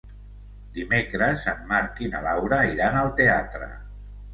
Dimecres en Marc i na Laura iran al teatre.